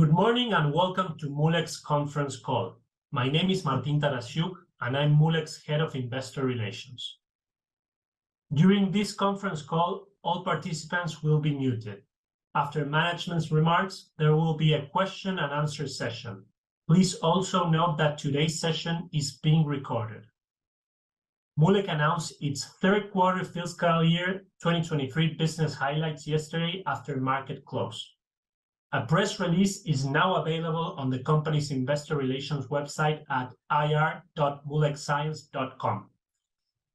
Good morning, welcome to Moolec Conference Call. My name is Martin Taraciuk, and I'm Moolec's Head of Investor Relations. During this conference call, all participants will be muted. After management's remarks, there will be a question and answer session. Please also note that today's session is being recorded. Moolec announced its third quarter fiscal year 2023 business highlights yesterday after market close. A press release is now available on the company's investor relations website at ir.moolecscience.com.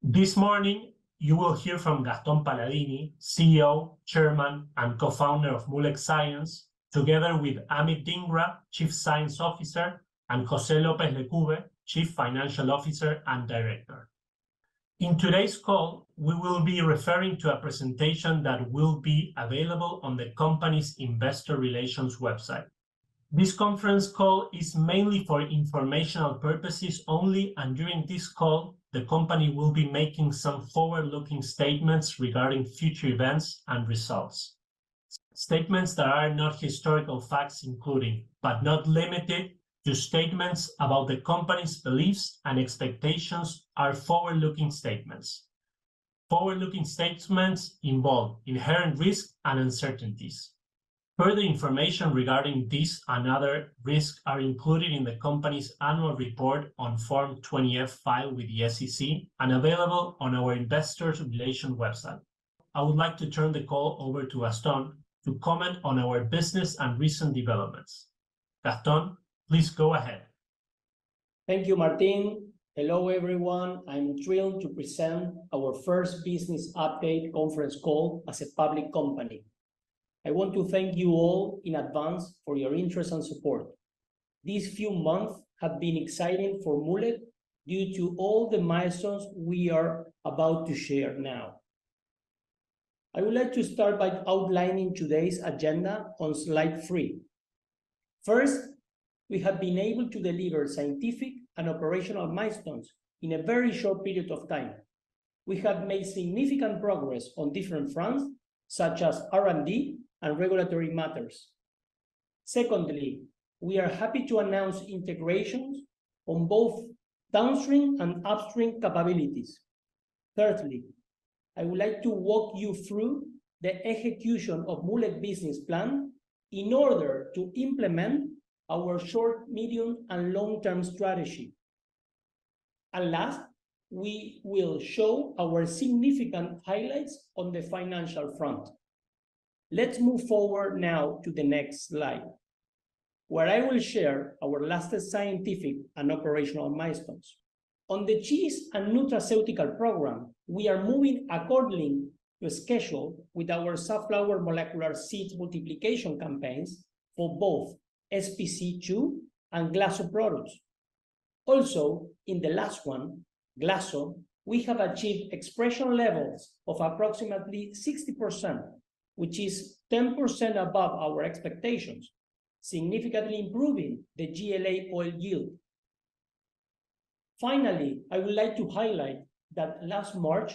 This morning, you will hear from Gastón Paladini, CEO, Chairman, and Co-Founder of Moolec Science, together with Amit Dhingra, Chief Science Officer, and José López Lecube, Chief Financial Officer and Director. In today's call, we will be referring to a presentation that will be available on the company's investor relations website. This conference call is mainly for informational purposes only, and during this call, the company will be making some forward-looking statements regarding future events and results. Statements that are not historical facts including, but not limited to statements about the company's beliefs and expectations are forward-looking statements. Forward-looking statements involve inherent risk and uncertainties. Further information regarding this and other risks are included in the company's annual report on Form 20-F filed with the SEC and available on our investor relations website. I would like to turn the call over to Gastón to comment on our business and recent developments. Gastón, please go ahead. Thank you, Martin. Hello, everyone. I'm thrilled to present our first business update conference call as a public company. I want to thank you all in advance for your interest and support. These few months have been exciting for Moolec due to all the milestones we are about to share now. I would like to start by outlining today's agenda on slide three. First, we have been able to deliver scientific and operational milestones in a very short period of time. We have made significant progress on different fronts, such as R&D and regulatory matters. Secondly, we are happy to announce integrations on both downstream and upstream capabilities. Thirdly, I would like to walk you through the execution of Moolec business plan in order to implement our short, medium, and long-term strategy. Last, we will show our significant highlights on the financial front. Let's move forward now to the next slide, where I will share our latest scientific and operational milestones. On the GLA and nutraceutical program, we are moving accordingly to schedule with our sunflower molecular seeds multiplication campaigns for both SPC2 and GLASO products. Also, in the last one, GLASO, we have achieved expression levels of approximately 60%, which is 10% above our expectations, significantly improving the GLA oil yield. Finally, I would like to highlight that last March,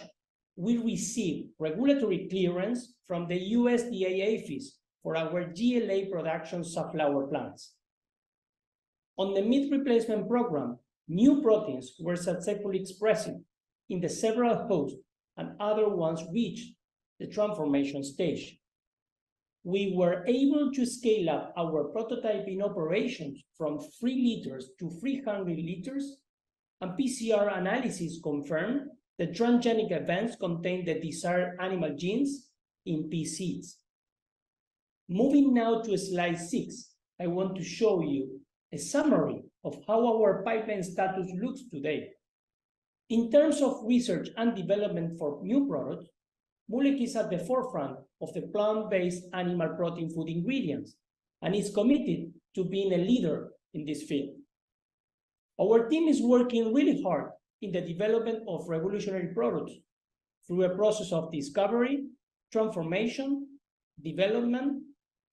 we received regulatory clearance from the USDA APHIS for our GLA production sunflower plants. On the meat replacement program, new proteins were successfully expressing in the several hosts and other ones reached the transformation stage. We were able to scale up our prototyping operations from 3 L to 300 L, and PCR analysis confirmed the transgenic events contained the desired animal genes in these seeds. Moving now to slide six, I want to show you a summary of how our pipeline status looks today. In terms of research and development for new products, Moolec is at the forefront of the plant-based animal protein food ingredients and is committed to being a leader in this field. Our team is working really hard in the development of revolutionary products through a process of discovery, transformation, development,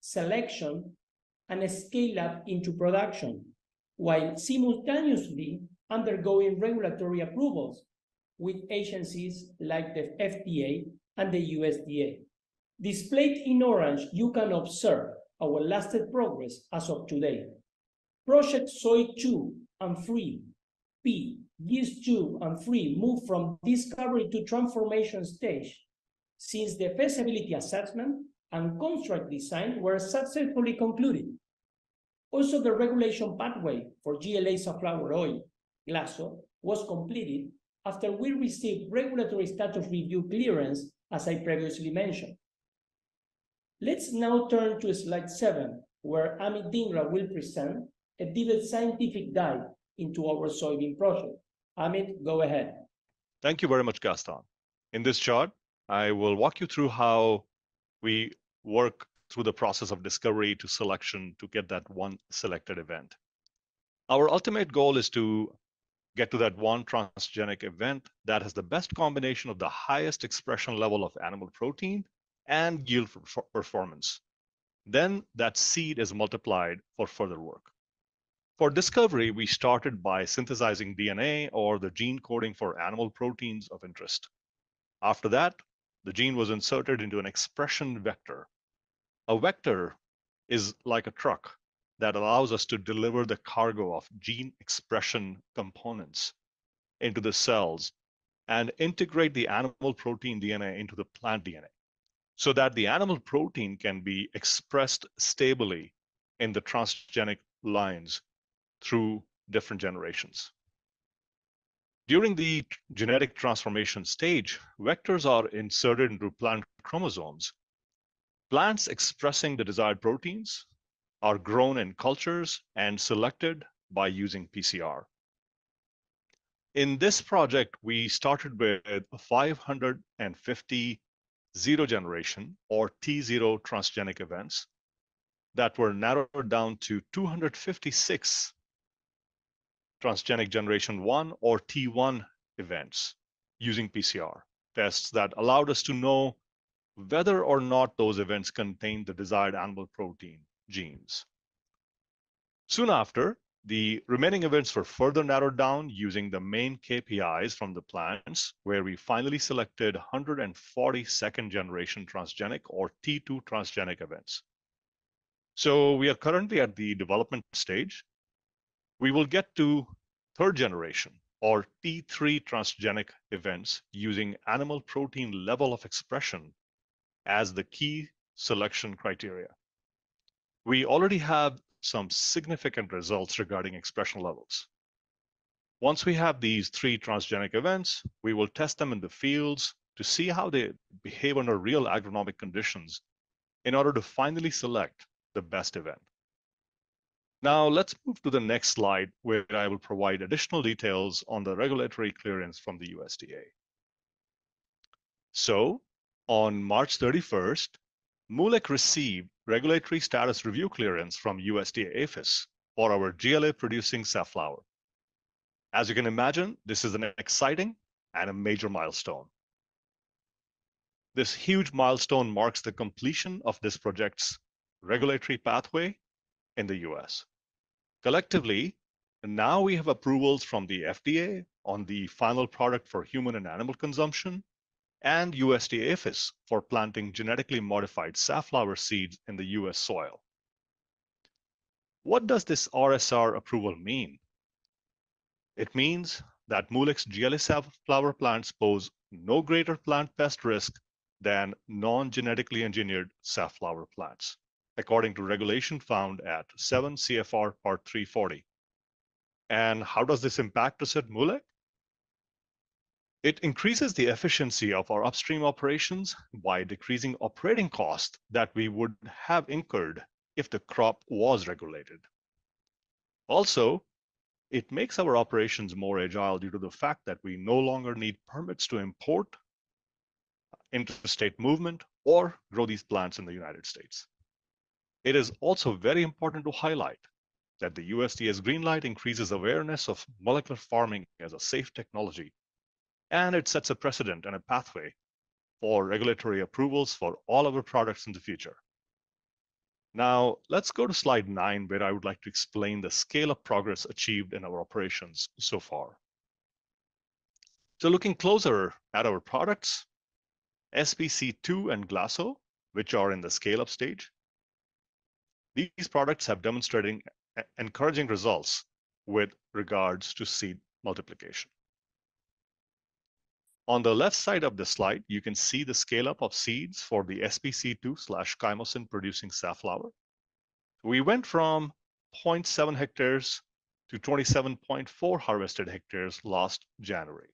selection, and a scale-up into production, while simultaneously undergoing regulatory approvals with agencies like the FDA and the USDA. Displayed in orange, you can observe our latest progress as of today. Project Soy two and three, Pea, Beef two and three moved from discovery to transformation stage since the feasibility assessment and construct design were successfully concluded. Also, the regulation pathway for GLA safflower oil, GLASO, was completed after we received regulatory status review clearance as I previously mentioned. Let's now turn to slide seven, where Amit Dhingra will present a detailed scientific dive into our soybean project. Amit, go ahead. Thank you very much, Gastón. In this chart, I will walk you through how we work through the process of discovery to selection to get that one selected event. Our ultimate goal is to get to that one transgenic event that has the best combination of the highest expression level of animal protein and yield performance. That seed is multiplied for further work. For discovery, we started by synthesizing DNA or the gene coding for animal proteins of interest. After that, the gene was inserted into an expression vector. A vector is like a truck that allows us to deliver the cargo of gene expression components into the cells and integrate the animal protein DNA into the plant DNA so that the animal protein can be expressed stably in the transgenic lines through different generations. During the genetic transformation stage, vectors are inserted into plant chromosomes. Plants expressing the desired proteins are grown in cultures and selected by using PCR. In this project, we started with 550 T0 transgenic events that were narrowed down to 256 T1 events using PCR tests that allowed us to know whether or not those events contained the desired animal protein genes. Soon after, the remaining events were further narrowed down using the main KPIs from the plants, where we finally selected 140 T2 transgenic events. We are currently at the development stage. We will get to T3 transgenic events using animal protein level of expression as the key selection criteria. We already have some significant results regarding expression levels. Once we have these three transgenic events, we will test them in the fields to see how they behave under real agronomic conditions in order to finally select the best event. Let's move to the next slide, where I will provide additional details on the regulatory clearance from the USDA. On March 31st, Moolec received regulatory status review clearance from USDA APHIS for our GLA-producing safflower. As you can imagine, this is an exciting and a major milestone. This huge milestone marks the completion of this project's regulatory pathway in the U.S. Now we have approvals from the FDA on the final product for human and animal consumption and USDA APHIS for planting genetically modified safflower seeds in the U.S. soil. What does this RSR approval mean? It means that Moolec's GLA safflower plants pose no greater plant pest risk than non-genetically engineered safflower plants, according to regulation found at 7 CFR Part 340. How does this impact Moolec? It increases the efficiency of our upstream operations by decreasing operating costs that we would have incurred if the crop was regulated. It makes our operations more agile due to the fact that we no longer need permits to import interstate movement or grow these plants in the U.S. It is also very important to highlight that the USDA's green light increases awareness of molecular farming as a safe technology, and it sets a precedent and a pathway for regulatory approvals for all of our products in the future. Let's go to slide nine, where I would like to explain the scale of progress achieved in our operations so far. Looking closer at our products, SPC2 and GLASO, which are in the scale-up stage, these products have demonstrated encouraging results with regards to seed multiplication. On the left side of the slide, you can see the scaleup of seeds for the SPC2 slash chymosin-producing safflower. We went from 0.7 hectares to 27.4 harvested hectares last January,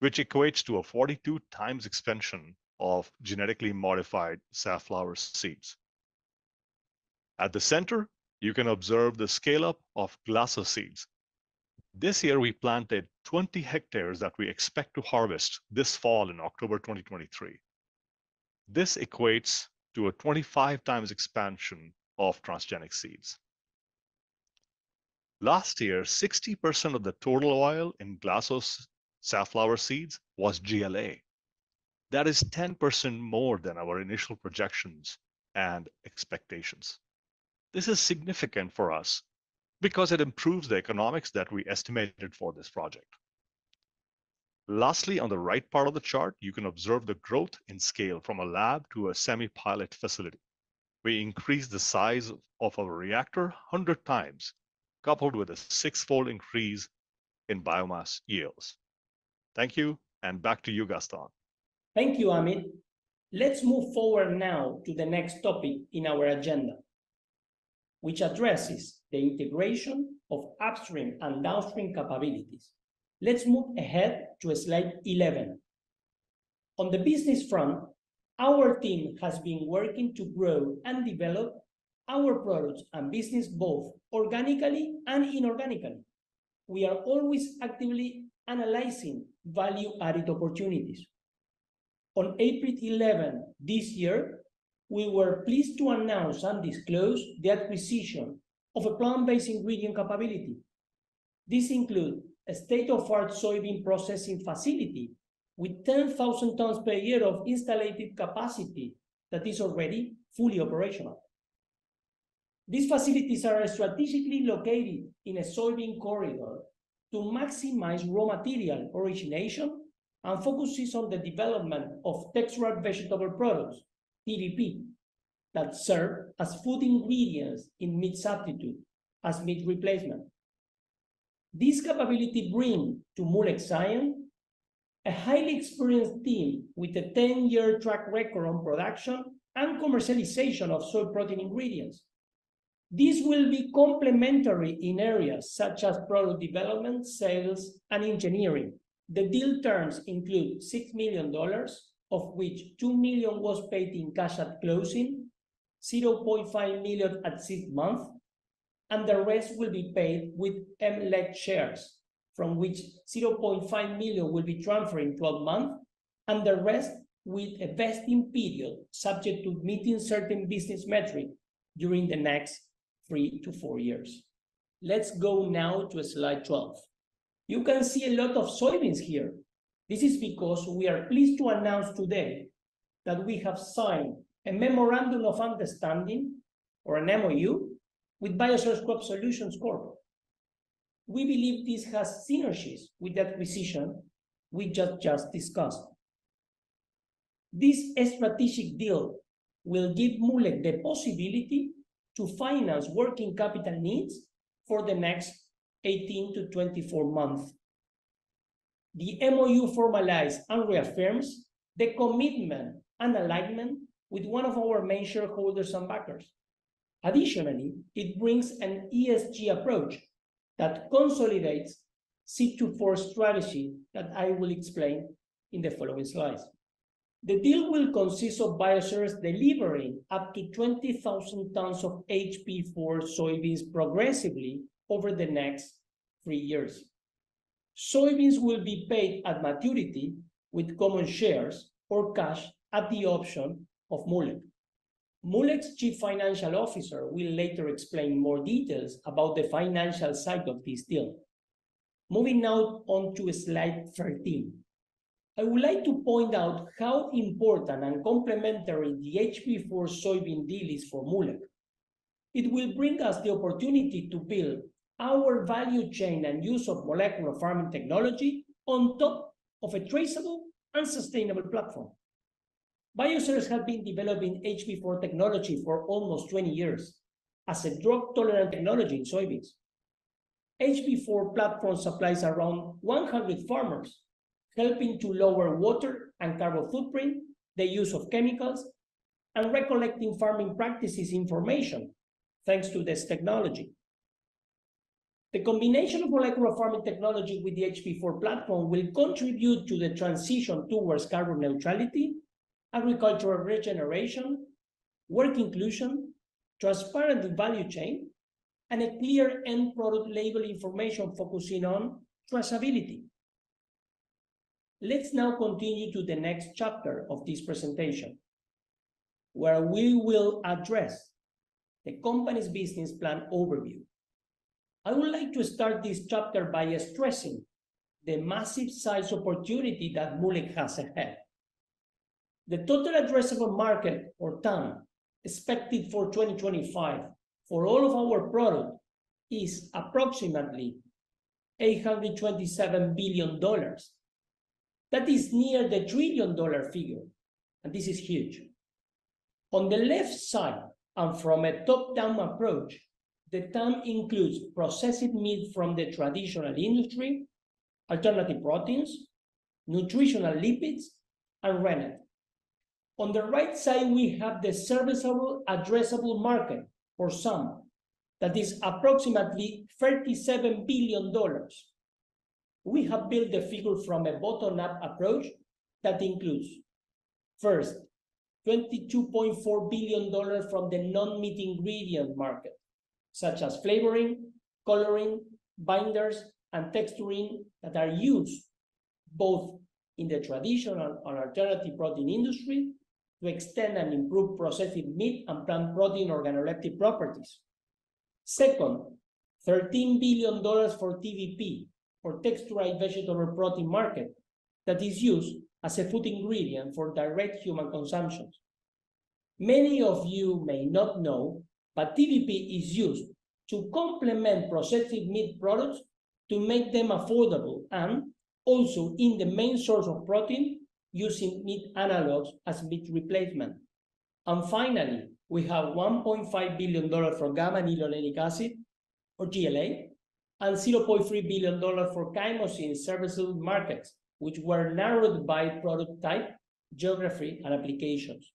which equates to a 42 times expansion of genetically modified safflower seeds. At the center, you can observe the scale-up of GLASO seeds. This year, we planted 20 hectares that we expect to harvest this fall in October 2023. This equates to a 25 times expansion of transgenic seeds. Last year, 60% of the total oil in GLASO's safflower seeds was GLA. That is 10% more than our initial projections and expectations. This is significant for us because it improves the economics that we estimated for this project. Lastly, on the right part of the chart, you can observe the growth in scale from a lab to a semi-pilot facility. We increased the size of our reactor 100 times, coupled with a six-fold increase in biomass yields. Thank you, and back to you, Gastón. Thank you, Amit. Let's move forward now to the next topic in our agenda, which addresses the integration of upstream and downstream capabilities. Let's move ahead to slide 11. On the business front, our team has been working to grow and develop our products and business both organically and inorganically. We are always actively analyzing value-added opportunities. On April 11th this year, we were pleased to announce and disclose the acquisition of a plant-based ingredient capability. This includes a state-of-the-art soybean processing facility with 10,000 tons per year of installed capacity that is already fully operational. These facilities are strategically located in a soybean corridor to maximize raw material origination and focus on the development of textured vegetable protein, TVP, that serve as food ingredients in meat substitute as meat replacement. This capability bring to Moolec Science a highly experienced team with a 10-year track record on production and commercialization of soy protein ingredients. This will be complementary in areas such as product development, sales, and engineering. The deal terms include $6 million, of which $2 million was paid in cash at closing, $500,000 at six months, and the rest will be paid with Moolec shares from which $500,000 will be transferred in 12 months, and the rest with a vesting period subject to meeting certain business metric during the next three to four years. Let's go now to slide 12. You can see a lot of soybeans here. This is because we are pleased to announce today that we have signed a memorandum of understanding, or an MOU, with Bioceres Crop Solutions Corp. We believe this has synergies with the acquisition we just discussed. This strategic deal will give Moolec the possibility to finance working capital needs for the next 18-24 months. The MOU formalizes and reaffirms the commitment and alignment with one of our main shareholders and backers. It brings an ESG approach that consolidates seed-to-fork strategy that I will explain in the following slides. The deal will consist of Bioceres delivering up to 20,000 tons of HB4 soybeans progressively over the next three years. Soybeans will be paid at maturity with common shares or cash at the option of Moolec. Moolec's Chief Financial Officer will later explain more details about the financial side of this deal. Moving now on to slide 13. I would like to point out how important and complementary the HB4 soybean deal is for Moolec. It will bring us the opportunity to build our value chain and use of molecular farming technology on top of a traceable and sustainable platform. Bioceres have been developing HB4 technology for almost 20 years as a drought-tolerant technology in soybeans. HB4 platform supplies around 100 farmers, helping to lower water and carbon footprint, the use of chemicals, and recollecting farming practices information, thanks to this technology. The combination of molecular farming technology with the HB4 platform will contribute to the transition towards carbon neutrality, agricultural regeneration, work inclusion, transparent value chain, and a clear end product label information focusing on traceability. Let's now continue to the next chapter of this presentation, where we will address the company's business plan overview. I would like to start this chapter by stressing the massive size opportunity that Moolec has ahead. The total addressable market, or TAM, expected for 2025 for all of our product is approximately $827 billion. That is near the trillion-dollar figure, and this is huge. On the left side, and from a top-down approach, the TAM includes processed meat from the traditional industry, alternative proteins, nutritional lipids, and rennet. On the right side, we have the serviceable addressable market, or SAM, that is approximately $37 billion. We have built the figure from a bottom-up approach that includes, first, $22.4 billion from the non-meat ingredient market, such as flavoring, coloring, binders, and texturing that are used both in the traditional and alternative protein industry to extend and improve processing meat and plant protein organoleptic properties. Second, $13 billion for TVP, or textured vegetable protein market, that is used as a food ingredient for direct human consumptions. Many of you may not know, but TVP is used to complement processed meat products to make them affordable, and also in the main source of protein, using meat analogs as meat replacement. Finally, we have $1.5 billion for gamma-linolenic acid, or GLA, and $300 million for chymosin serviceable markets, which were narrowed by product type, geography, and applications.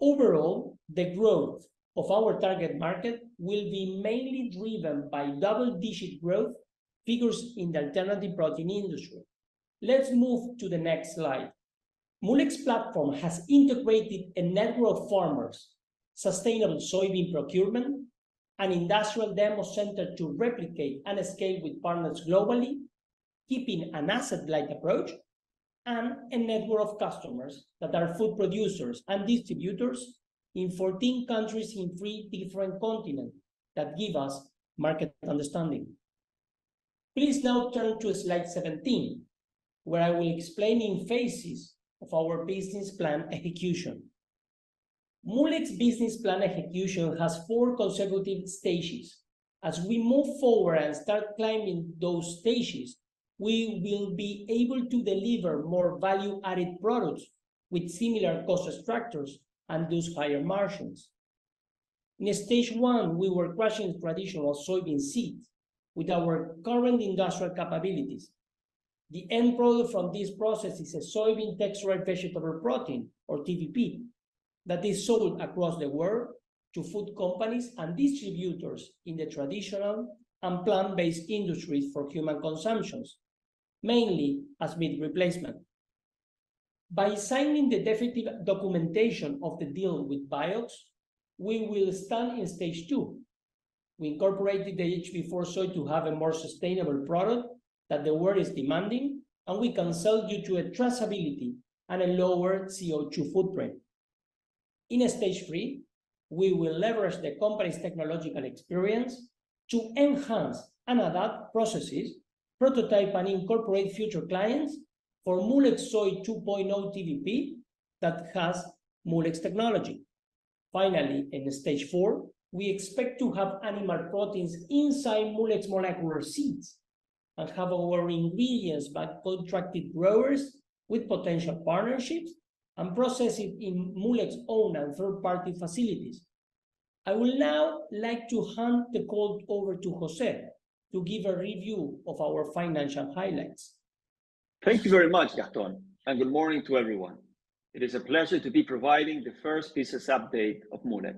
Overall, the growth of our target market will be mainly driven by double-digit growth figures in the alternative protein industry. Let's move to the next slide. Moolec's platform has integrated a network of farmers, sustainable soybean procurement, an industrial demo center to replicate and scale with partners globally. Keeping an asset-light approach and a network of customers that are food producers and distributors in 14 countries in three different continents that give us market understanding. Please now turn to slide 17, where I will explain in phases of our business plan execution. Moolec's business plan execution has four consecutive stages. As we move forward and start climbing those stages, we will be able to deliver more value-added products with similar cost structures and thus higher margins. In stage one, we were crushing traditional soybean seeds with our current industrial capabilities. The end product from this process is a soybean textured vegetable protein, or TVP, that is sold across the world to food companies and distributors in the traditional and plant-based industries for human consumptions, mainly as meat replacement. By signing the definitive documentation of the deal with BIOX, we will stand in stage two. We incorporated the HB4 soy to have a more sustainable product that the world is demanding, and we can sell due to a traceability and a lower CO2 footprint. In stage three, we will leverage the company's technological experience to enhance and adapt processes, prototype and incorporate future clients for Moolec Soy 2.0 TVP that has Moolec's technology. Finally, in stage four, we expect to have animal proteins inside Moolec's molecular seeds and have our ingredients by contracted growers with potential partnerships and processing in Moolec's own and third-party facilities. I will now like to hand the call over to José to give a review of our financial highlights. Thank you very much, Gastón. Good morning to everyone. It is a pleasure to be providing the first business update of Moolec.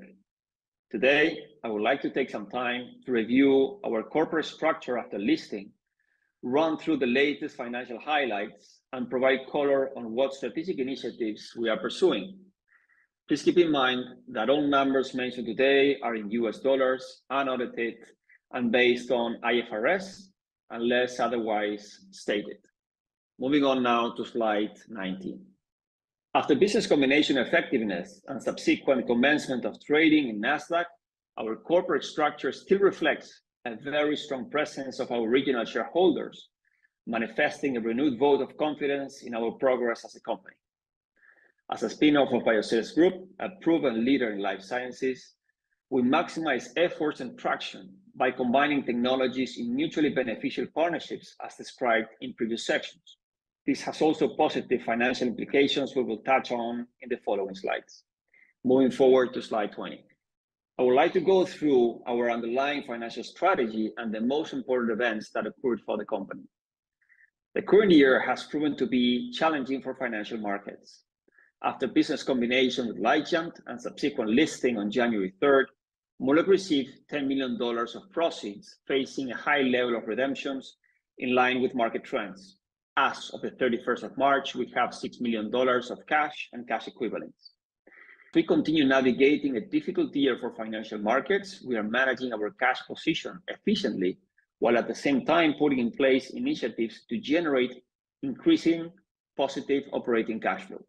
Today, I would like to take some time to review our corporate structure after listing, run through the latest financial highlights, and provide color on what strategic initiatives we are pursuing. Please keep in mind that all numbers mentioned today are in U.S. dollars, unaudited, and based on IFRS, unless otherwise stated. Moving on now to slide 19. After business combination effectiveness and subsequent commencement of trading in Nasdaq, our corporate structure still reflects a very strong presence of our original shareholders, manifesting a renewed vote of confidence in our progress as a company. As a spinoff of Bioceres Group, a proven leader in life sciences, we maximize efforts and traction by combining technologies in mutually beneficial partnerships as described in previous sections. This has also positive financial implications we will touch on in the following slides. Moving forward to slide 20. I would like to go through our underlying financial strategy and the most important events that occurred for the company. The current year has proven to be challenging for financial markets. After business combination with LightJump and subsequent listing on January 3rd, Moolec received $10 million of proceeds facing a high level of redemptions in line with market trends. As of the 31st of March, we have $6 million of cash and cash equivalents. We continue navigating a difficult year for financial markets. We are managing our cash position efficiently, while at the same time putting in place initiatives to generate increasing positive operating cash flow.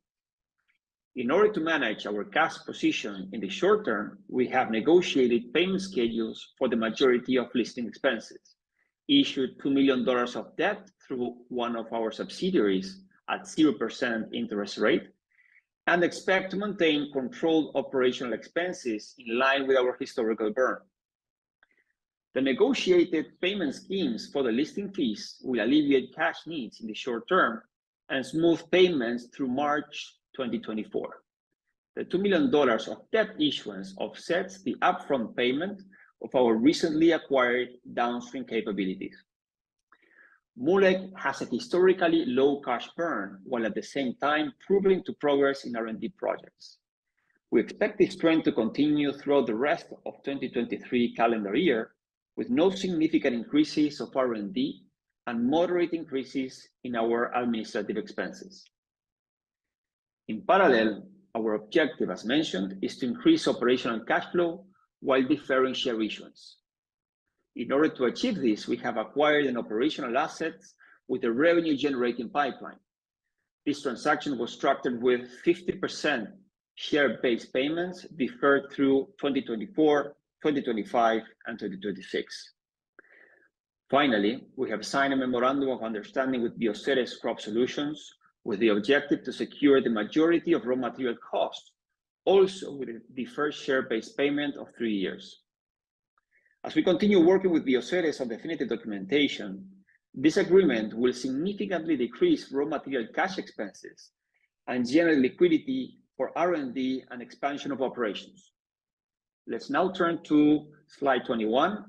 In order to manage our cash position in the short term, we have negotiated payment schedules for the majority of listing expenses, issued $2 million of debt through one of our subsidiaries at 0% interest rate, and expect to maintain controlled OpEx in line with our historical burn. The negotiated payment schemes for the listing fees will alleviate cash needs in the short term and smooth payments through March 2024. The $2 million of debt issuance offsets the upfront payment of our recently acquired downstream capabilities. Moolec has a historically low cash burn, while at the same time proving to progress in R&D projects. We expect this trend to continue throughout the rest of 2023 calendar year, with no significant increases of R&D and moderate increases in our administrative expenses. In parallel, our objective, as mentioned, is to increase operational cash flow while deferring share issuance. In order to achieve this, we have acquired an operational asset with a revenue-generating pipeline. This transaction was structured with 50% share-based payments deferred through 2024, 2025, and 2026. Finally, we have signed a memorandum of understanding with Bioceres Crop Solutions with the objective to secure the majority of raw material costs, also with a deferred share-based payment of three years. As we continue working with Bioceres on definitive documentation, this agreement will significantly decrease raw material cash expenses and generate liquidity for R&D and expansion of operations. Let's now turn to slide 21,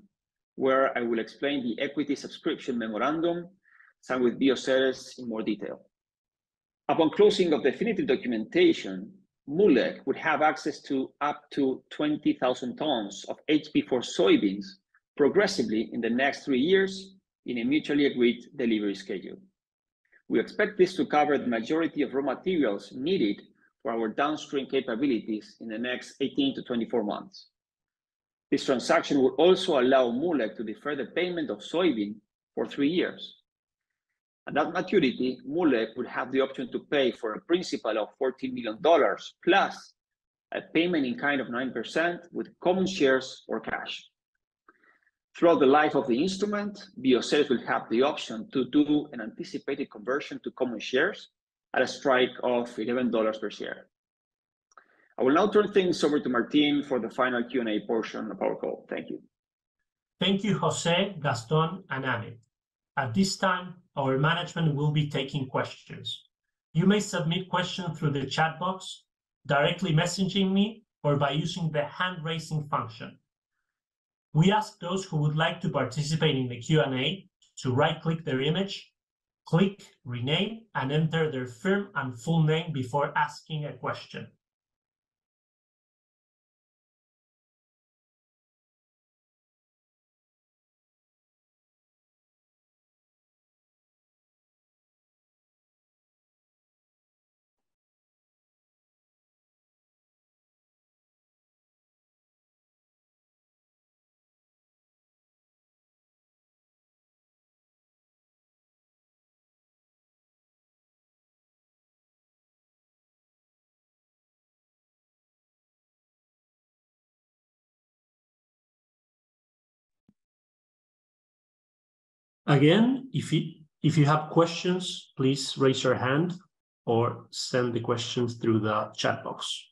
where I will explain the equity subscription memorandum signed with Bioceres in more detail. Upon closing of definitive documentation, Moolec would have access to up to 20,000 tons of HB4 soybeans progressively in the next three years in a mutually agreed delivery schedule. We expect this to cover the majority of raw materials needed for our downstream capabilities in the next 18-24 months. This transaction will also allow Moolec to defer the payment of soybean for three years. At that maturity, Moolec will have the option to pay for a principal of $40 million, plus a payment in kind of 9% with common shares or cash. Throughout the life of the instrument, Bioceres will have the option to do an anticipated conversion to common shares at a strike of $11 per share. I will now turn things over to Martin for the final Q&A portion of our call. Thank you. Thank you, José, Gastón, and Amit. At this time, our management will be taking questions. You may submit question through the chat box, directly messaging me, or by using the hand-raising function. We ask those who would like to participate in the Q&A to right-click their image, click Rename, and enter their firm and full name before asking a question. Again, if you have questions, please raise your hand or send the questions through the chat box.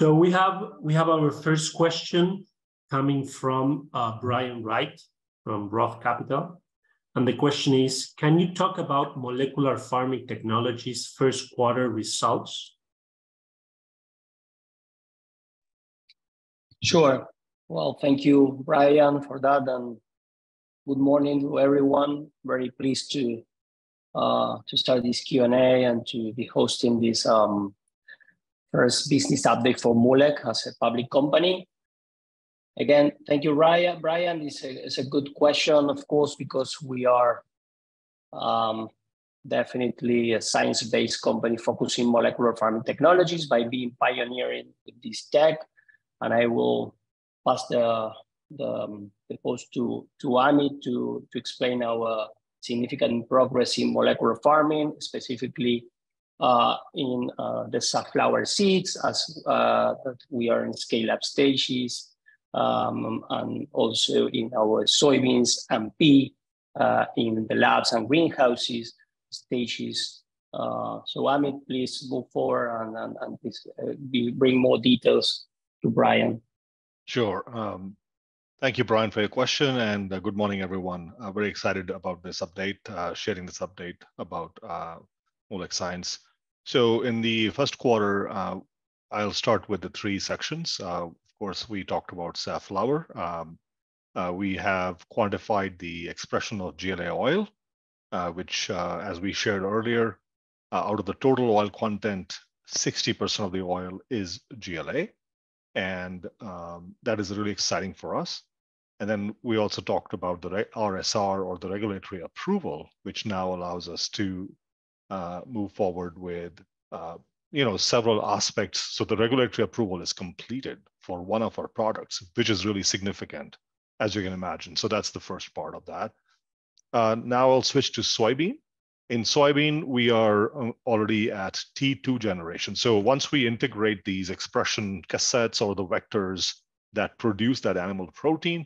We have our first question coming from Brian Wright from Roth Capital, and the question is: Can you talk about molecular farming technologies' first quarter results? Sure. Well, thank you, Brian, for that, and good morning to everyone. Very pleased to start this Q&A and to be hosting this first business update for Moolec as a public company. Again, thank you, Brian. It's a good question, of course, because we are definitely a science-based company focusing molecular farming technologies by being pioneering with this tech. I will pass the post to Amit to explain our significant progress in molecular farming, specifically in the safflower seeds as that we are in scale-up stages, and also in our soybeans and pea in the labs and greenhouses stages. Amit, please move forward and please bring more details to Brian. Sure. Thank you, Brian, for your question, and good morning, everyone. Very excited about this update, sharing this update about Moolec Science. In the first quarter, I'll start with the three sections. Of course, we talked about safflower. We have quantified the expression of GLA oil, which, as we shared earlier, out of the total oil content, 60% of the oil is GLA, and that is really exciting for us. Then we also talked about the RSR or the regulatory approval, which now allows us to move forward with, you know, several aspects. The regulatory approval is completed for one of our products, which is really significant, as you can imagine. That's the first part of that. Now I'll switch to soybean. In soybean, we are already at T2 generation. Once we integrate these expression cassettes or the vectors that produce that animal protein,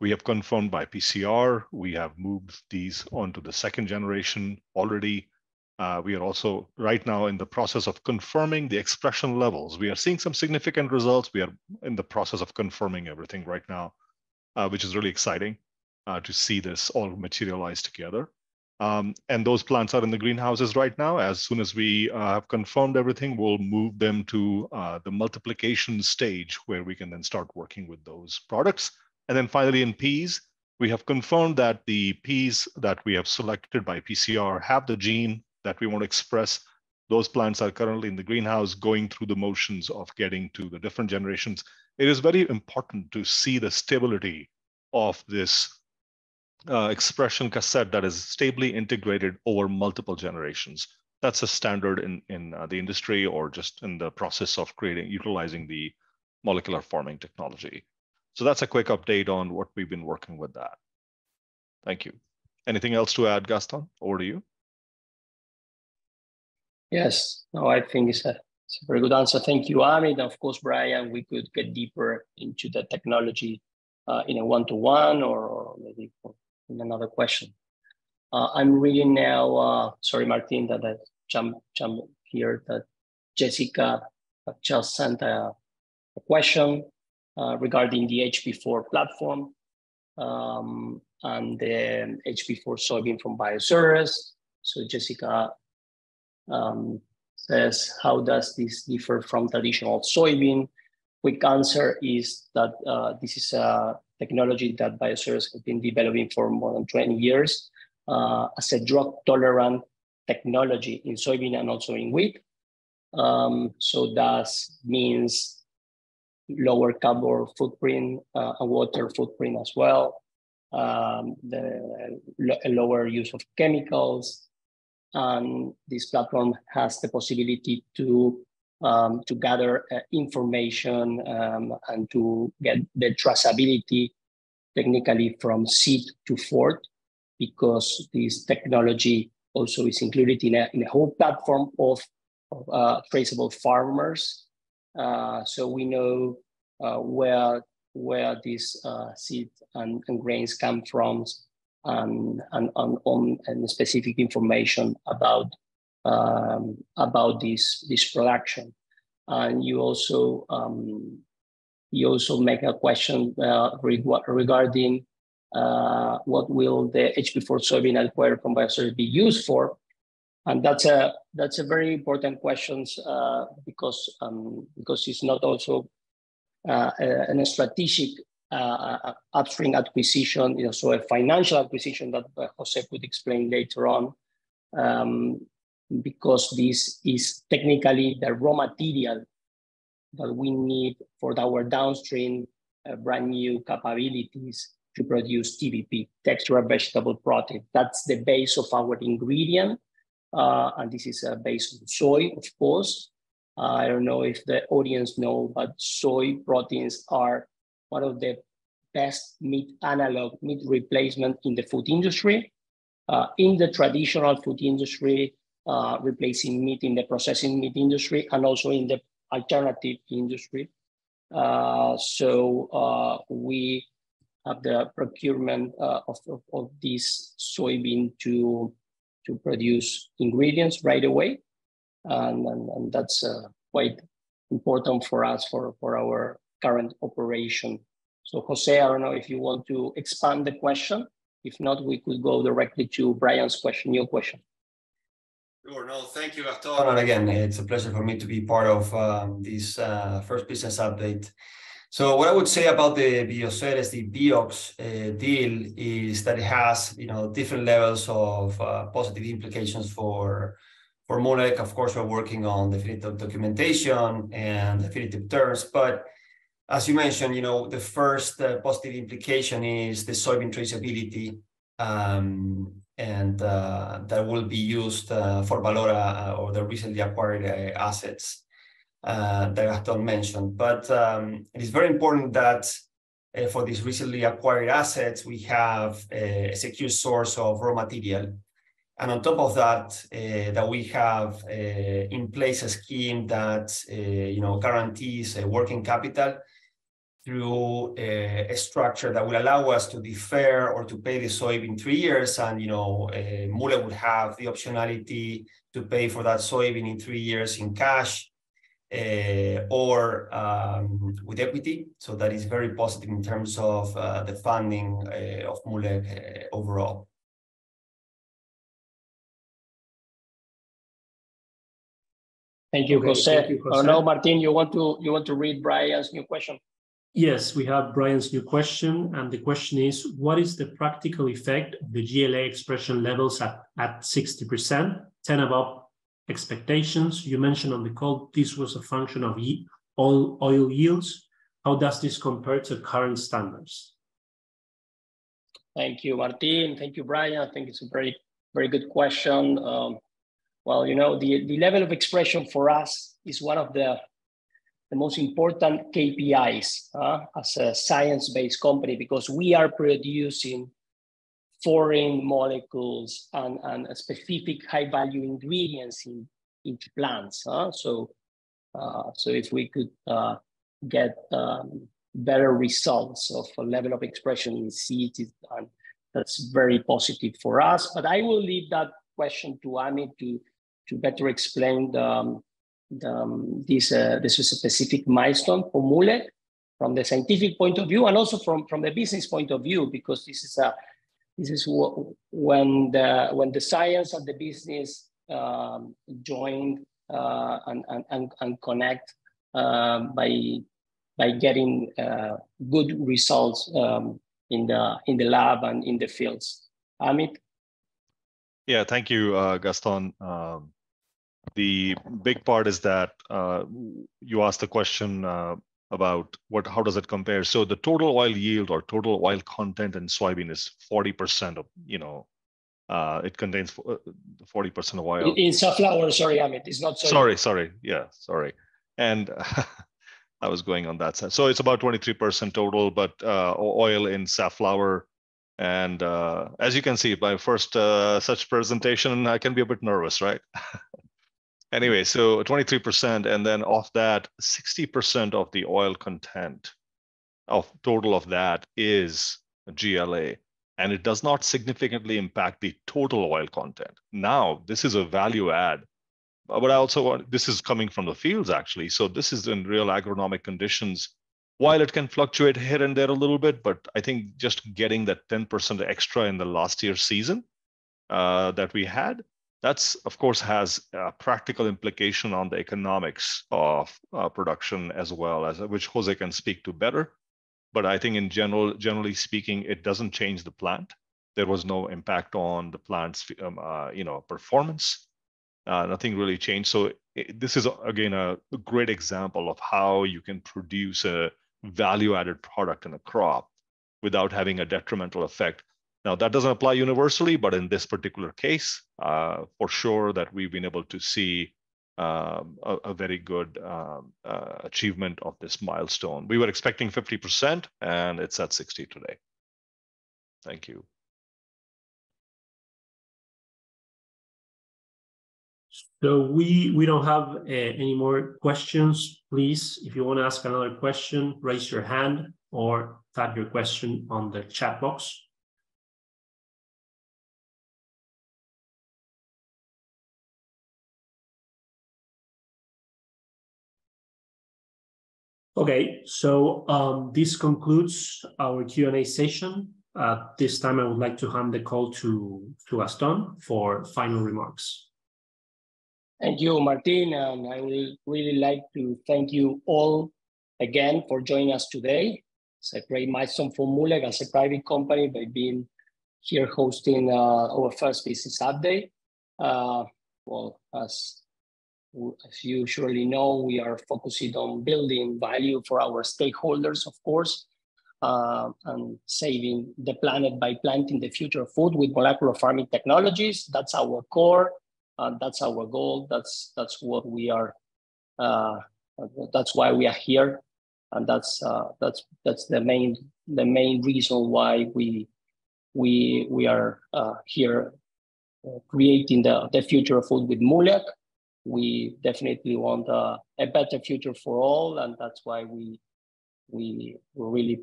we have confirmed by PCR, we have moved these onto the second generation already. We are also right now in the process of confirming the expression levels. We are seeing some significant results. We are in the process of confirming everything right now, which is really exciting to see this all materialize together. Those plants are in the greenhouses right now. As soon as we have confirmed everything, we'll move them to the multiplication stage where we can then start working with those products. Finally, in peas, we have confirmed that the peas that we have selected by PCR have the gene that we want to express. Those plants are currently in the greenhouse, going through the motions of getting to the different generations. It is very important to see the stability of this expression cassette that is stably integrated over multiple generations. That's a standard in the industry or just in the process of utilizing the molecular farming technology. That's a quick update on what we've been working with that. Thank you. Anything else to add, Gastón? Over to you. Yes. No, I think it's a very good answer. Thank you, Amit. Of course, Brian, we could get deeper into the technology in a one-to-one or maybe in another question. I'm reading now. Sorry, Martin, that I jump here. Jessica just sent a question regarding the HB4 platform, HB4 soybean from Bioceres. Jessica says how does this differ from traditional soybean? Quick answer is that this is a technology that Bioceres have been developing for more than 20 years as a drought-tolerant technology in soybean and also in wheat. That means lower carbon footprint, a water footprint as well, a lower use of chemicals. This platform has the possibility to gather information and to get the traceability technically from seed to fork because this technology also is included in a whole platform of traceable farmers. We know where these seeds and grains come from and specific information about this production. You also make a question regarding what will the HB4 soybean acquired from Bioceres be used for? That's a very important question because it's not also an strategic upstream acquisition, you know, so a financial acquisition that José could explain later on. Because this is technically the raw material that we need for our downstream, brand new capabilities to produce TVP, textured vegetable protein. That's the base of our ingredient. This is based on soy, of course. I don't know if the audience know, soy proteins are one of the best meat analog, meat replacement in the food industry, in the traditional food industry, replacing meat in the processing meat industry and also in the alternative industry. We have the procurement of this soybean to produce ingredients right away and that's quite important for us for our current operation. José, I don't know if you want to expand the question. If not, we could go directly to Brian's question, new question. Sure. No, thank you, Gastón. Again, it's a pleasure for me to be part of this first business update. What I would say about the Bioceres, the BIOX deal is that it has, you know, different levels of positive implications for Moolec. Of course, we're working on definitive documentation and definitive terms, as you mentioned, you know, the first positive implication is the soybean traceability, and that will be used for ValoraSoy or the recently acquired assets that Gastón mentioned. It is very important that for these recently acquired assets, we have a secure source of raw material. On top of that we have in place a scheme that, you know, guarantees a working capital through a structure that will allow us to defer or to pay the soybean three years, and, you know, Moolec would have the optionality to pay for that soybean in three years in cash or with equity. That is very positive in terms of the funding of Moolec overall. Thank you, José. Okay. Thank you, José. I don't know, Martin, you want to read Brian's new question? We have Brian's new question, and the question is, "What is the practical effect of the GLA expression levels at 60%, 10 above expectations? You mentioned on the call this was a function of oil yields. How does this compare to current standards? Thank you, Martin. Thank you, Brian. I think it's a very, very good question. Well, you know, the level of expression for us is one of the most important KPIs as a science-based company because we are producing foreign molecules and specific high-value ingredients into plants. If we could get better results of a level of expression in seeds is that's very positive for us. I will leave that question to Amit to better explain the this specific milestone for Moolec from the scientific point of view and also from the business point of view because this is a, this is when the science and the business join and connect by getting good results in the lab and in the fields. Amit? Yeah. Thank you, Gastón. The big part is that you asked the question about what, how does it compare? The total oil yield or total oil content in soybean is 40% of, you know, it contains 40% oil. In safflower. Sorry, Amit. It's not soy Sorry. Sorry. Yeah, sorry. I was going on that side. It's about 23% total, but oil in safflower. As you can see, my first such presentation, I can be a bit nervous, right? Anyway, 23%. Of that, 60% of the oil content, of total of that is GLA. It does not significantly impact the total oil content. Now, this is a value add. This is coming from the fields actually, so this is in real agronomic conditions. While it can fluctuate here and there a little bit, I think just getting that 10% extra in the last year's season that we had, that's of course has a practical implication on the economics of production as well as which José can speak to better. I think in general, generally speaking, it doesn't change the plant. There was no impact on the plant's performance. Nothing really changed. This is again, a great example of how you can produce a value-added product in a crop without having a detrimental effect. Now, that doesn't apply universally, but in this particular case, for sure that we've been able to see a very good achievement of this milestone. We were expecting 50% and it's at 60% today. Thank you. We don't have any more questions. Please, if you wanna ask another question, raise your hand or type your question on the chat box. Okay. This concludes our Q&A session. At this time, I would like to hand the call to Gastón for final remarks. Thank you, Martin. I will really like to thank you all again for joining us today. It's a great milestone for Moolec as a private company by being here hosting our first business update. Well, as you surely know, we are focusing on building value for our stakeholders, of course, and saving the planet by planting the future of food with molecular farming technologies. That's our core. That's our goal. That's why we are here and that's the main reason why we are here creating the future of food with Moolec. We definitely want a better future for all, and that's why we really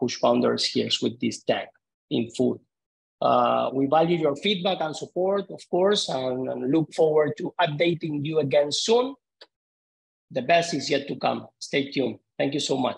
push founders here with this tech in food. We value your feedback and support, of course, and look forward to updating you again soon. The best is yet to come. Stay tuned. Thank you so much